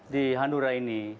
di hanura ini